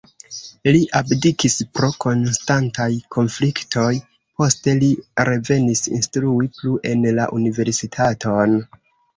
Li abdikis pro konstantaj konfliktoj, poste li revenis instrui plu en la universitaton.